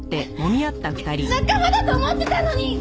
仲間だと思ってたのに！